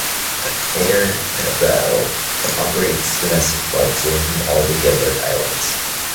Air Kiribati operates domestic flights linking all the Gilbert Islands.